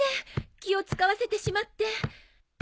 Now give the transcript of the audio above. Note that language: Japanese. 気を使わせてしまって。